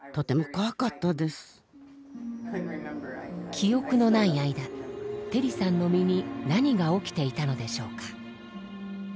記憶のない間テリさんの身に何が起きていたのでしょうか？